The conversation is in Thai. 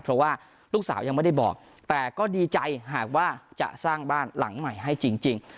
เพราะว่าลูกสาวยังไม่ได้บอกแต่ก็ดีใจหากว่าจะสร้างบ้านหลังใหม่ให้จริง